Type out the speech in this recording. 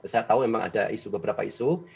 saya tahu memang ada isu beberapa isu